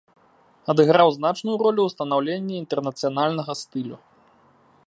Адыграў значную ролю ў станаўленні інтэрнацыянальнага стылю.